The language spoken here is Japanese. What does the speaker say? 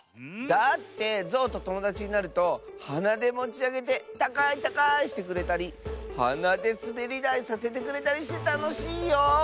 だってゾウとともだちになるとはなでもちあげてたかいたかいしてくれたりはなですべりだいさせてくれたりしてたのしいよ。